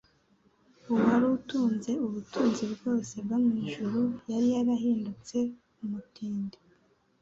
Uwari utunze ubutunzi bwose bwo mu ijuru yari yarahindutse umutindi,